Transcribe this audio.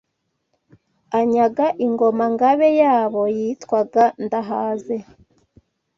anyaga Ingoma–ngabe yabo yitwaga Ndahaze